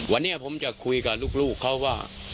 วันนี้ผมจะคุยกับลูกเขาว่า